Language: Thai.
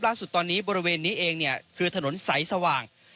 ล่าสุดตอนนี้บริเวณนี้เองเนี่ยคือถนนสายสว่าง